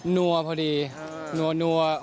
นัวพอดีนัว